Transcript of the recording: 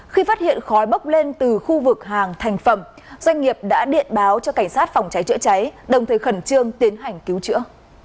khi phát hiện khói bốc lên từ khu vực hàng thành phẩm doanh nghiệp đã điện báo cho cảnh sát phòng cháy chữa cháy đồng thời khẩn trương tiến hành cứu chữa